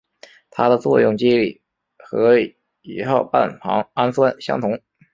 它的作用机理和乙酰半胱氨酸相同。